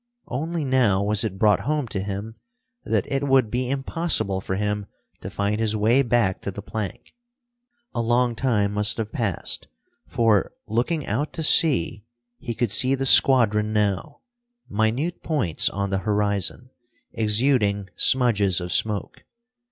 Only now was it brought home to him that it would be impossible for him to find his way back to the plank. A long time must have passed, for, looking out to sea, he could see the squadron now, minute points on the horizon, exuding smudges of smoke.